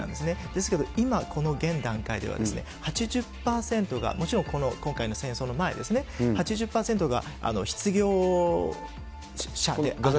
ですけど、今この現段階では８０％が、もちろん今回の戦争の前ですね、８０％が失業者であるんですよ。